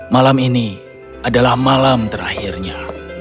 malam ini adalah malam terakhirnya